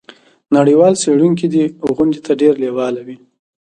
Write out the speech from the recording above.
نړیوال څیړونکي دې غونډې ته ډیر لیواله وي.